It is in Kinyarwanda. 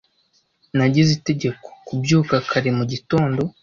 Nagize itegeko kubyuka kare mu gitondo.